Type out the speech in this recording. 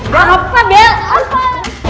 gak apa bella